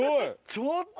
ちょっと！